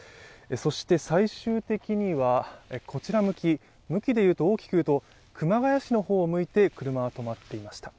そして、最終的にはこちら向き、向きでいうと大きく言うと熊谷市の方を向いて車は止まっていました。